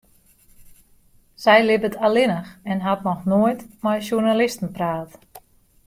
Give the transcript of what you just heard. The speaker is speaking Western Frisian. Sy libbet allinnich en hat noch noait mei sjoernalisten praat.